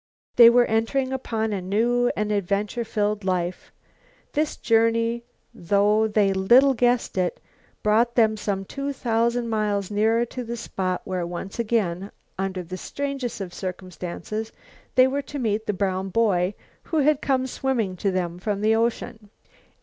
They were entering upon a new and adventure filled life. This journey, though they little guessed it, brought them some two thousand miles nearer the spot where, once again under the strangest of circumstances, they were to meet the brown boy who had come swimming to them from the ocean.